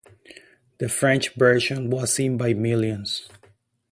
The French version was seen by millions.